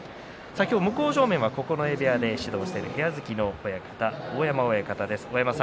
向正面は九重部屋で指導している部屋付きの親方大山親方です。